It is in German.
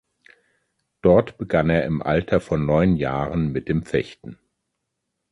Dort begann er im Alter von neun Jahren mit dem Fechten.